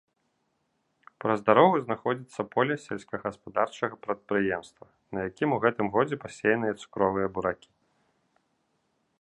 Праз дарогу знаходзіцца поле сельскагаспадарчага прадпрыемства, на якім у гэтым годзе пасеяныя цукровыя буракі.